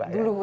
dulu hutan ya